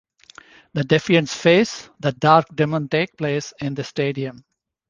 The Defiants Face the Dark Demon take place in the stadium.